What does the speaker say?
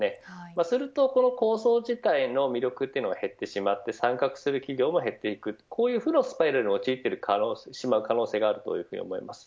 すると、この構想自体の魅力が減ってしまって参画する企業も減っていくこういう負のスパイラルに陥ってしまう可能性があります。